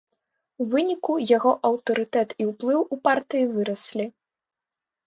У выніку яго аўтарытэт і ўплыў у партыі выраслі.